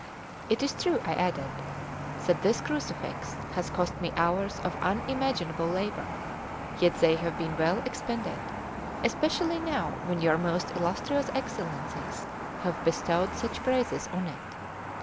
"It is true," I added, "that this crucifix has cost me hours of unimaginable labour; yet they have been well expended, especially now when your most illustrious Excellencies have bestowed such praises on it.